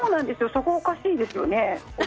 そこ、おかしいですよね。